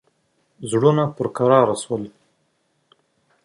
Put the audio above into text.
زړونه پر کراره شول.